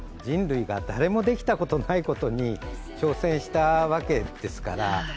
人類が誰もできたことないことに挑戦したわけですから。